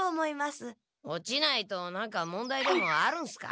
落ちないと何か問題でもあるんすか？